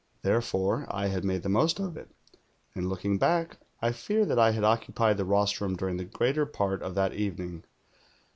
Therefore, 1 had made the most of it, and looking back, I fear that I had occupied the rostrum during the greater part of that evening.